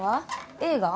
映画？